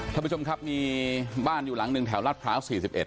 ท่านผู้ชมครับมีบ้านอยู่หลังหนึ่งแถวรัฐพร้าว๔๑